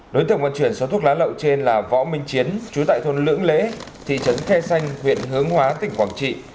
đối tượng vận chuyển số thuốc lá lậu trên là võ minh chiến chú tại thôn lưỡng lễ thị trấn khe xanh huyện hướng hóa tỉnh quảng trị